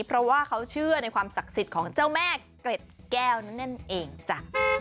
เพราะว่าเขาเชื่อในความศักดิ์สิทธิ์ของเจ้าแม่เกร็ดแก้วนั่นเองจ้ะ